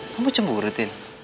kamu cemburu tint